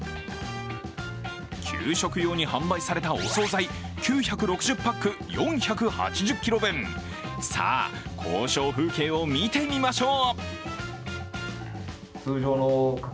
給食用に販売されたお総菜９６０パック４８０ｋｇ分、さぁ、交渉風景を見てみましょう。